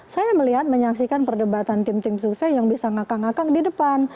saya melihat menyaksikan perdebatan tim tim susah yang bisa ngakak ngakak di depan